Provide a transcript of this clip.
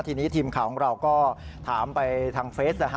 ทีนี้ทีมข่าวของเราก็ถามไปทางเฟสนะฮะ